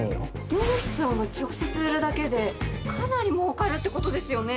漁師さんが直接売るだけでかなり儲かるってことですよね？